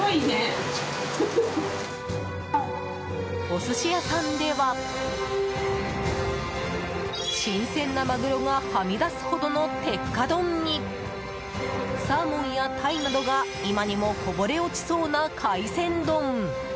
お寿司屋さんでは新鮮なマグロがはみ出すほどの鉄火丼にサーモンやタイなどが今にもこぼれ落ちそうな海鮮丼！